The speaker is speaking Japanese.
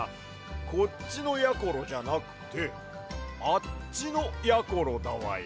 こっちのやころじゃなくてあっちのやころだわや。